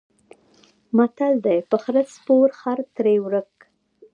متل دی: په خره سپور خر ترې ورک.